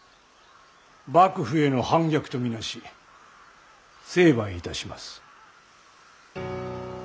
幕府への反逆と見なし成敗いたします。